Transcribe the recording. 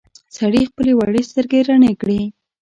سړي خپلې وړې سترګې رڼې کړې.